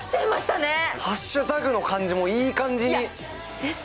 ハッシュタグの感じもいい感じ。